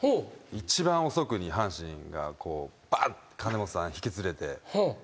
一番遅くに阪神がバッ！って金本さん引き連れて。